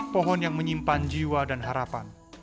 pohon yang menyimpan jiwa dan harapan